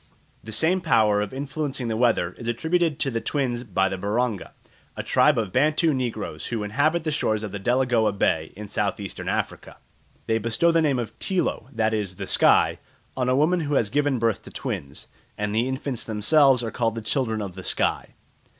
The same power of influencing the weather is attributed to twins by the Baronga, a tribe of Bantu negroes who, inhabit the shores of Delagoa Bay in South eastern Africa. They bestow the name of Tilo that is, the sky on a woman who has given birth to twins, and the infants themselves are called the children of the sky.